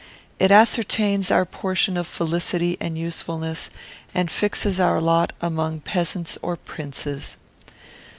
It ascertains our portion of felicity and usefulness, and fixes our lot among peasants or princes.